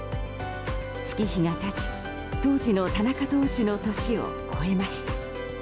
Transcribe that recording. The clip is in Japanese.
月日が経ち、当時の田中投手の年を超えました。